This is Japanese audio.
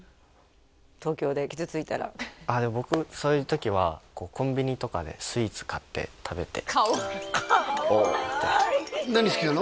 東京で傷ついたらでも僕そういう時はコンビニとかでスイーツ買って食べてかわいいかわいい何好きなの？